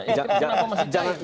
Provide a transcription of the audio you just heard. tapi kenapa masih cair